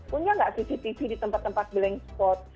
punya nggak cctv di tempat tempat blank spot